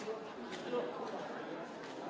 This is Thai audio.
ขอบคุณครับ